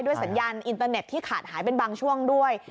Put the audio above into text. สัญญาณอินเตอร์เน็ตที่ขาดหายเป็นบางช่วงด้วย